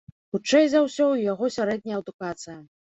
Хутчэй за ўсё, у яго сярэдняя адукацыя.